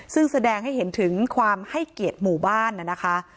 ซึ่งแสดงให้เห็นถึงความให้เกียรติหมู่บ้านนะคะ